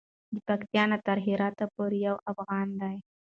د پکتیا نه تر هراته پورې یو افغان دی.